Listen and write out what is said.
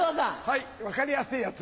分かりやすいやつ。